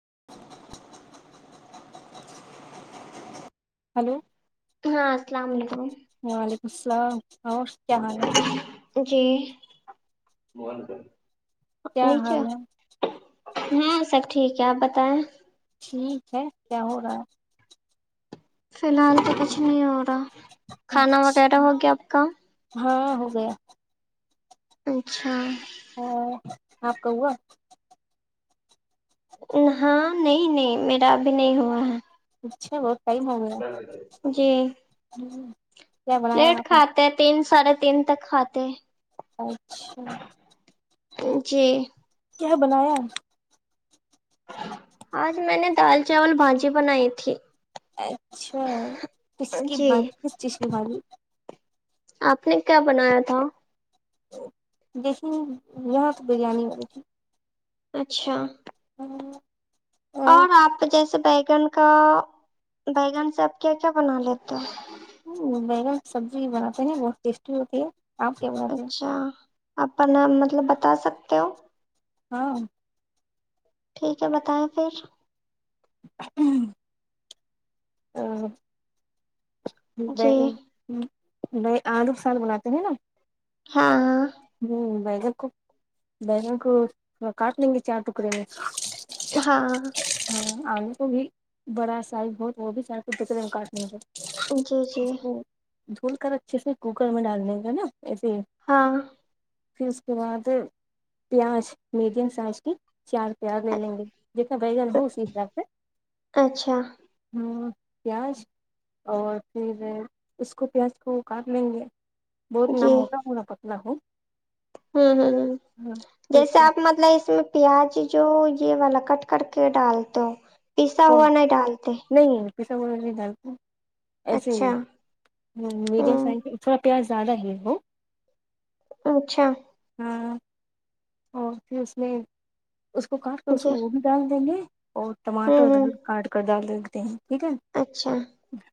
[unintelligible] hello [unintelligible] ہاں السلام علیکم وعلیکم السلام اورو کیا [unintelligible] ب ن کر [unintelligible] کیا حال ہے ہاں سب ٹھیک ہے آپ بتائیں ٹھیک ہے کیا ہو رہا ہے فی الحال تو کچھ نہیں اور ہے کھانا اچھا، وغیرہ ہو گیا آپ کا ہاں ہو گیا اچھا ہاں ہاں کوا ہاں نہیں نہیں میرا ابھی نہیں ہوا ہے اچھا ب [unintelligible] جی ہوں، کیا بنایا پٹ آپ نے کھاتے تین سو ساڑھے تین تک کھاتے ہیں اچھا جی کیا بنایا آج میں نے دال چاول بھاجی بنائی تھی اچھا کس کی جی بات کس چیز کی بھات آپ نے کیا بنایا تھا دیکسن یہاں پ بریانی اچھا ہ اور آپ جیسے بیگن کا بیگن سے آپ کیا کیا بنا لیتے ہو ہ بگا سبزی بناتے ہیں بہت ٹیسٹی ہوتی ہے آپ کیا بولے ہیں آ کا نام مطلب بتا سکتے ہو ہاں ٹھیک ہے بتائیں پھر ہوں ہ جی ہ بھائی آلو سال بناتے ہیں نا ہاں ہ بییدک کو بیگن کو کاٹ لیں گے چار ٹکڑے میں ہاں آنے کو بھی بڑا سائ بہ وہ بھی سے کو دقت کاٹ نہیں ہو جی جی دھول کر اچھے سے کوکر میں ڈالنےیں کا نا ایسے ہی، ہاں پھر اس کے بعد پیاز میڈیم سائز کی چار روپیہ اور لے لیں گے جتنا بیگن ہو اسی حساب سے اچھا ہ پیاز اور پھر اس کو پیاز کو کااب لیں گے بہت نام جی موٹا ہونا پتلا ہ ہوں ہوں ہ پھر اس جیسے آپ مطلب اس میں پیاز جو یہ والا کٹ کر کے ڈالتے ہو پیسا ہوا نہیں ڈالتے نہیں پیسا ب دال کو ایسے ہی اچھا ہ میڈیم ہوں سائز تھوڑا پیاز زیادہ ہی وہ اچھا ہاں او سھر اس نہیں اس کو کاٹ کے اس کو جی وہ بھی ڈال دیں گے اور ہوں ٹماٹر ہوں دال کٹکر دال تے ہیں ٹھیک ہے اچھا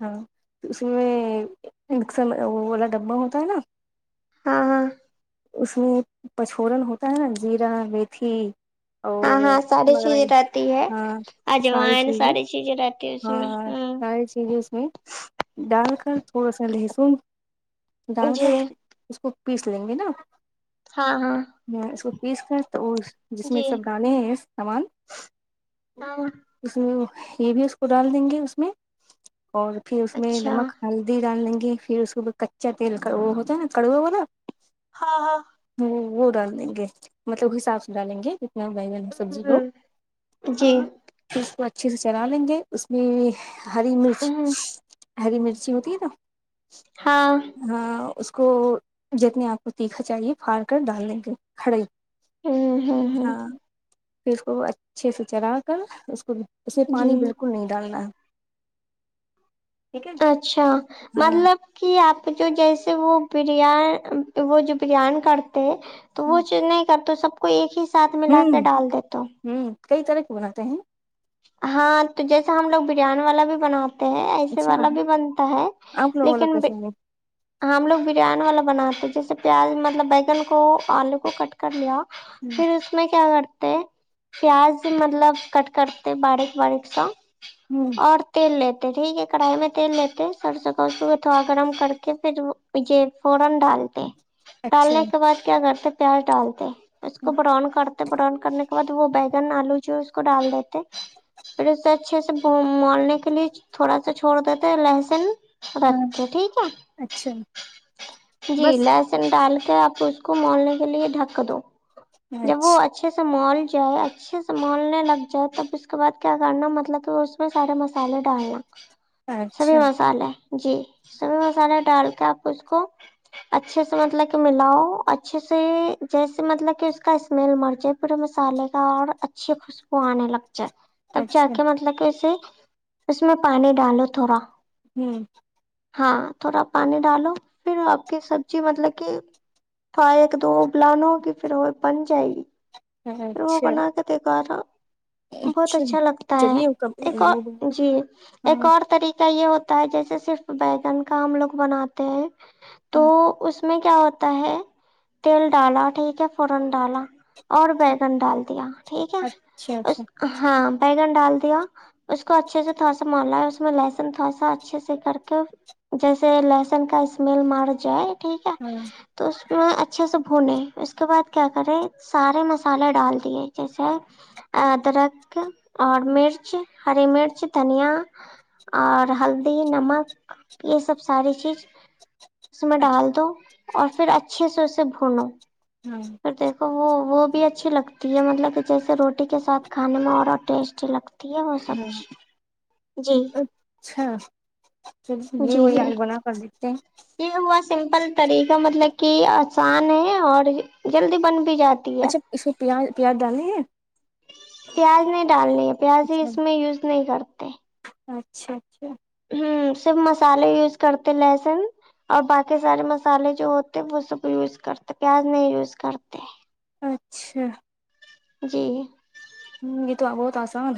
ہاں اس میں مکسر وہ والا ڈبہ ہوتا ہے نا ہاں ہاں اس میں پچھورن ہوتا ہے نا زیرا ویتھی ہاں ہاں ساری چیز رہتی ہے ہاں اجوائن ساری چیزیں رہتی ہے اس میں ہاں ہوں سال اس میں ڈال کر تھوڑا سا لہسن ڈال جی کر اس کو پیس لیں گے نا ہاں ہاں میں اس کو پیس کر تو وہ جس میں جی سب گانے ہیں سمان ہاں [inaudible] یہ بھی ڈال دیں گے اس میں اور پھر اس میں اچھا نمک ہلدی ڈال دیں گے پھر اس کچا تیل ہوتا نا کڑوا ہوا ہاں ہاں وہ ڈال دیں گے مطلب حساب سے ڈالیں گے بائی سبی لو ہوں جی چھر سے چل لیں گے اس میں ہری ہ مرچ ہری مرچی ہوتی ہے نا ہاں [inaudible] اس کو جتنے آپ کو تیکھا چاہیے پھاڑ کر ڈال دیں گے کھڑے ہوں ہوں ہاں پھر اس کو اچھے سے چر کر اس کو اسے جی پانی بالک ڈالنا ٹھیک ہے اچھا ہاں مطلب کہ آپ تو جو جیسے وہ بریان وہ جو بریان کر [unintelligible] تو وہ چ نہیں کر تو سب کو ایک ہی ساتھ ملا کے ہ ڈال دیتا ہ کئی طرح کی بولاتے ہیں ہاں تو جیسا ہم لوگ بریانی والا بھی بنا ایسے اچھا والا بھی بنتا ہے آپ لوگ والا لیکن کیسے ہم لوگ بریانی والا بناتے جیسے پیاز مطلب بیگن کو آلو کو کٹ کر لیا ہیں پھر اس میں کیا کرتے پیاز مطلب کٹ کر باریک باریک سا ہوں اور تیل لیتے [unintelligible] اچھا النے کے بعد کیا کرتے پیار ڈالتے ہیں اس کو بران کرتے برن کرنے کے بعد وہ بیگن آلو جوس کو ڈال دیتے پھر اس سے اچھے سے مولنے کے لیے تھوڑا سا چھوڑ دیتے لہسن ہاں رچو ٹھیک اچھا ہے جی بس لہسن ڈال آپ اس کو مولنے کے لیے ڈھک دو جب وہ اچھا اچھے سے مال جائے اچھے سنبھالنے لگ جائے تب اس کے [unintelligible] اس کے بعد کیا کرنا مطلب کہ اس میں سارے مسالے ڈالنا سبھی اچھا مسالے جی اس میں مسالہ ڈال کے آپ اس کو اچھے سے مطلب کہ ملاؤ اچھے سے جیسے مطلب کہ اس کا اسمیل مر جائے پورے مسالے کا اور اچھی خوشبو آنے لگ [unintelligible] اچا تب جا اچھا کے مطلب کہ اسے اس میں پانی ڈالو تھوڑا ہوں ہاں تھوڑا پانی ڈالو پھر آپ کی سبزی مطلب کہ تھوڑا ایک دو ا بلان ہوگی پھر وہ بن جائے گی روح اچھا بنا کے دیک گا نا بہت اچھا لگتا ہے چلیے کب ایک اور وہ جی ہاں ایک اور طریقہ کیا یہ ہوتا ہے جیسے صرف بیگن کا ہم لوگ بناتے ہیں تو ہاں اس اس میں کیا ہوتا ہے تیل ڈالا ٹھیک ہے فورن ڈالا اور بیگن ڈال دیا ٹھیک ہے اچھا اس اچھا ہاں بگن ڈال دیا اس کو اچھے سے تھوڑا ملا اور مال ہے اس میں لہسن تھاسا اچھے سے کر کے جیسے لہسن کا اسمیل مار جائے ٹھیک ہے ہاں توس [unintelligible] اچھے سے بھنےیں اس کے بعد کیا کریں سارے مسالے ڈال دیے جیسے ادرک اور مرچ ہری مرچ دھنیا اور ہلدی نمک یہ سب ساری چیز اس میں اچھا ڈال دو اور پھر اچھے سے اسے بھونو ہاں اور دیکھو وہ وہ اچھی لگتی ہے مطلب کہ جیسے روٹی کے ساتھ کھانے میں اور ٹیسٹی لگتا ہ اچھا چل یہ جی وہی آج جی بنا کر دیتے ہیں یہ با سمپل طریقہ مطلب کہ آسان ہے اور جلدی بن بھی جاتی ہے اچھا اس میں پیاز پیاز ڈالنی ہے پیاز نہیں ڈالنی ہے پیاز اچھا اس میں یوز نہیں کرتے اچھا اچھا ہ صرف مسالے یوز کرتے لہسن اور باقی سارے مسالے جو ہوتے وہ سب یوز کرتے پیاز نہیں یوز کرتے اچھا جی ہ یہ تو بہت آسا ہوان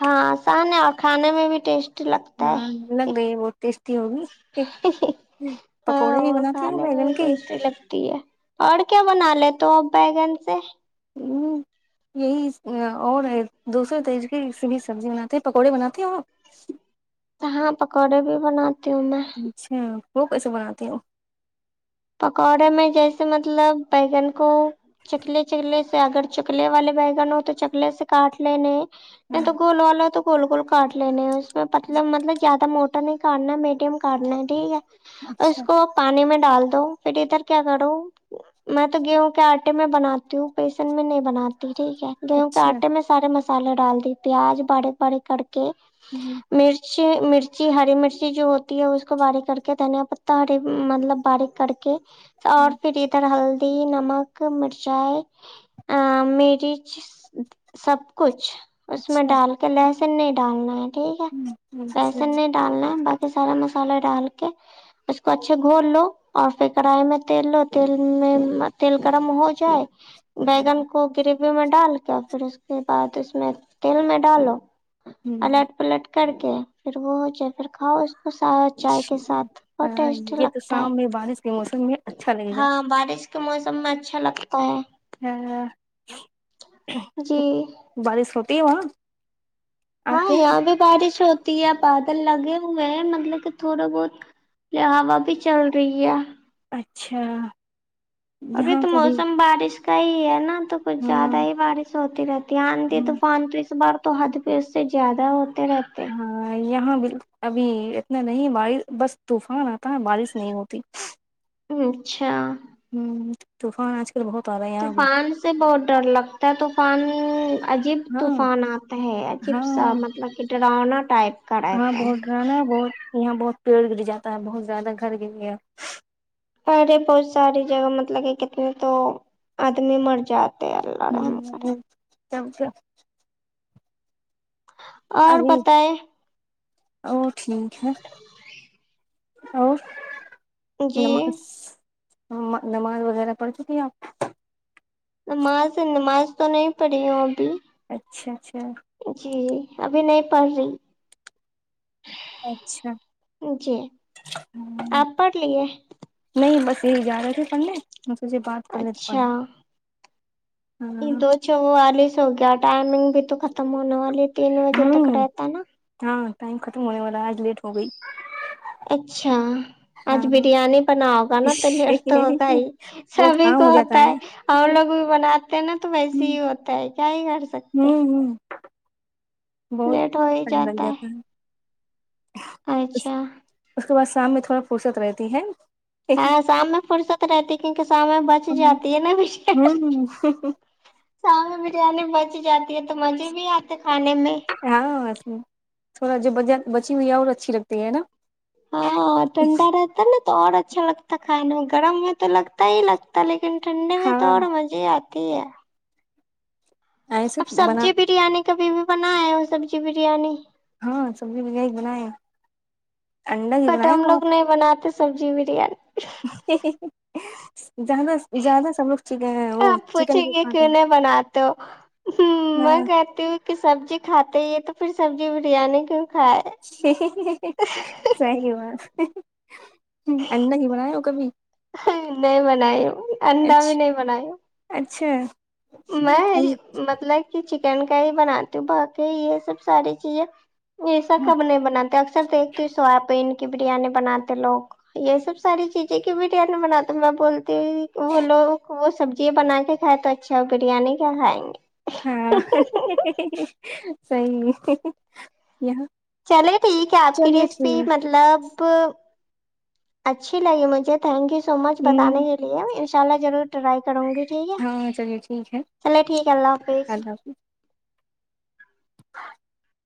ہاں اسان ہے اور کھانے میں بھی ٹیسٹ ہاں لگ رہی ہے ب ہاں پکوڑے بھی وہ بناتے ہو کھانے میں بیگن بھی کے ٹیسٹی لگتی ہے اور کیا بنا لیتے تو اب ہےگن سے ہ یہی اور دوسرے طریقے سے بھی سبزی بناتے ہیں پکوڑے بناتے اور ہاں پکوڑے بھی بناات اچھا وہ کیسے بناتی ہ پکوڑے میں جیسے مطلب بگن کو چکلے چکلے سے اگر چکلے والے بگن ہو تو چکلے سے کاٹ لینے نہیں ہاں تو گول لو تو گول گول کاٹ لینے اس مطلب مطلب زیادہ تو موٹا نہیں کرنا میڈیم کرنا ہے ٹھیک ہے اور اچھا اس کو پانی میں سال [unintelligible] تو پھر ادھر کیا کرو میں تو گیہوں کے آٹے میں بناتی ہوں بییسن میں نہیں بناتی ٹھیک ہے گیہوں کے اچھا آٹے میں سارے مس مسالا ڈال دی پیاز بڑے بڑے کک کہ ہوں مرچ اچ مرچی ہری مرچی جو ہوتی ہے اس کو باریک کر کے دھنیا پتتا ہری مطلب باریک کرڑ کے اور ہاں پھر ادھر ہل پتی نمک مرچائی مرچ سب کچھ اس میں ڈال کے لس س نہیں ڈالنا ہے ٹھیک ہے ہ اچھا لہسن نہیں ڈالنا ہے باقی سارا مسالہ ڈال کے اس کو اچھے گھول لو اور پھر کڑائی میں تیل لو تیل میں تیل گرم ہو جائے بیگن کو وغیرہ میں ڈال کے پھر اس کے بعد اس میں تیل میں ڈالو ا لٹ پلٹ کر کے پھر وہ ج پھر کھاؤ خ چائے کے ہوں ساتھ اور ہاں ٹیسٹ یہ تو لگتا ہے شام میں بارش کے موسم میں اچھا لگے گا ہاں بارش کے موسم ہم اچھا لگتا ہے ہ جی بار س ت ہو [unintelligible] ہاں یہاں بھی بارش ہوتی یا بادل لگے ہوئے ہیں مطلب کہ تھوڑا بہت ہا بھی چل رہی ہے اچھا ابھی یہاں تو بھی موسم بارش کئی ہے نا تو کچھ ہاں زیادہ ہی بارش ہوتی رہتی ہے آندھی ہوں طوفان تو اس بار تو حد پہ اس سے زیادہ ہو ہاں یہاں ب ابھی نہ نہیں بارش بس طوفان آتا ہے بارش نہیں ہوتی اچھا ہوں توفان آج کل بہت آ رہا ہے یہاں بھی طوفان سے بہت ڈر لگتا ہے طوفان عجیب ہاں طوفان آتا ہے عجیب سا ہاں مطلب کہ ڈرانا ٹائپ کا ہاں رہتا ہے بہت ڈر نا بہت یہاں بہت پیڑ گر جاتا ہے بہت زیادہ گھر گر ہے ارے بہت ساری جگہ مطلب کہ کتنے تو آدمی مر جاتا ہوں سم سے اور ابھی بتائے ا ٹھیک ہے اورو جی نمازاز نماز وغیرہ پڑ چکی ہے آپ نماز نماز تو نہیں پڑھی ہوں ابھی اچھا اچھا جی ابھی نہیں پڑھ رہی اچھا جی آپ پڑھ لیے نہیں بس یہ جا رہا تھ سم نے مے بات کر لی اچھا یہ دو چ والیس ہو گیا ٹائمنگ تو ختم ہونے والے ہ ہاں ٹائم ختم ہونے والا آج لیٹ ہو گئی اچھا آج ہاں بریانی بناؤگا نا تو لیٹ تو ہوگا ہی بہت سبھی کام کو ہو ہوتا جاتا ہے اور لوگ بھی بناتے ہیں نا تو ویسے ہی ہوتا ہے کیاائے گ ہوں ہوں لیٹ ہو ہی جاتا ہے اچھا اس کے بعد سام میں تھوڑا فرصت رہتی ہے ہاں شام میں فرصت رہتی کیونکہ شام میں بچ ہوں جاتی ہے نا سام میں بریانی بچ جی ہے تو مزے بھی آتے کھانے میں ہاںس سووراج بجار بچی ہوئی ہے اور اچھی لگتی ہے نا ہاں ٹھنڈا رہتا نا تو اور اچھا لگتا کھانے میں گرم ہے تو لگتا ہی لگتا لیک لیکن ٹھنڈے میں تو ہاں اور مزے ہی آتے کہ ہے ایسے اب بنا سبزی بریانی کبھی بھی بنایا ہو سبزی بریانی ہاں سبزی میںگ بنایا کٹ ہم لوگ نہیں بناتے تھ سبزی [inaudible] بریانی ا آپ چکن پوچھیں بھی گے کھاتے کیوں نہیں ہیں بناتے ہو میں ہاں کہتی ہوں کہ سبزی کھاتے یہ تو پھر سبزی بریانی کے صی بات ہ انا نہیں بنایا ہو کبھی نہیں بناائی انڈا بھی نہیں بنایا چھ میں مطلب کہ چکن کا ہی بناتی ہوں باقی یہ سب ساری چیزیں ایسا کب نہیں بناتے ر دیکھتی ہ سویابین کی بریانی بناتے لوگ یہ سب ساری چیزیں کی بریانی بناتے میں بولتی ہ وہ لوگ وہ سبزی بنا کے کھائے تو اچھا بریانی کیا کھائیں گے ہاں صحیح یہاں چلے ٹھیک ہے آپ کی چلیے ریسپی ٹھیک مطلب اچھی لگی مجھے تھینک یو سو مچ ہ بتانے کے لیے اس چا ضرور رائی کروں گی ٹھیک ہے ہاں چلیے ٹھیک ہے چلے ٹھیک ہے اللہ حافظ [inaudible]